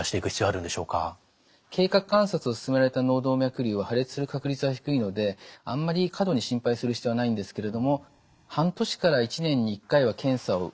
経過観察をすすめられた脳動脈瘤は破裂する確率は低いのであんまり過度に心配する必要はないんですけれども半年から１年に１回は検査を受けた方がいいと思います。